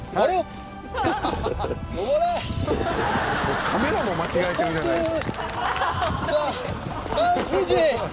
「もうカメラも間違えてるじゃないですか」